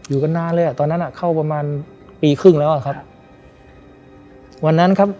กันนานเลยอ่ะตอนนั้นอ่ะเข้าประมาณปีครึ่งแล้วอ่ะครับวันนั้นครับ